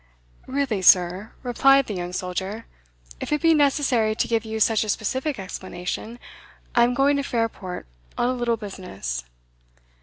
"Really, sir," replied the young soldier, "if it be necessary to give you such a specific explanation, I am going to Fairport on a little business."